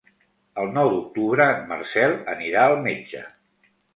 El nou d'octubre en Marcel anirà al metge.